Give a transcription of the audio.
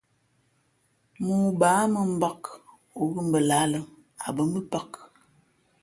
Mōō baā mᾱ mbāk, o ghʉ̂ mbα lahā lᾱ, a bᾱ mbʉ̄pāk.